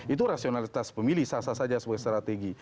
itu rasionalitas pemilih sasar saja sebagai strategi